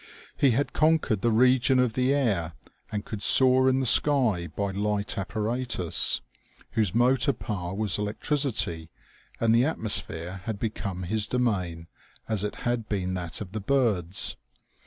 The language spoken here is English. He had con quered the region of the air and could soar in the sky by light apparatus, whose motor power was electricity, and the atmosphere had become his domain as it had been that of the birds.